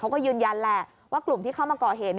เขาก็ยืนยันแหละว่ากลุ่มที่เข้ามาก่อเหตุ